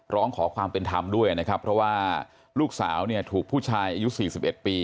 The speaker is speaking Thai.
ร้องขอความเป็นธรรมด้วยนะครับเพราะว่าลูกสาวเนี่ยถูกผู้ชายอายุ๔๑ปี